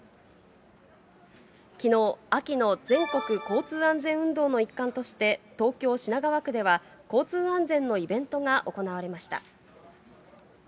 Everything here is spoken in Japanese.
きのう、秋の全国交通安全運動の一環として、東京・品川区では交通安全のイベントが行われました。